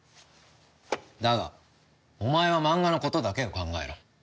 だがお前はマンガのことだけを考えろ。